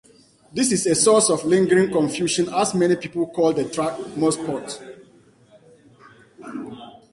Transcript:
This is a source of lingering confusion as many people call the track Mossport.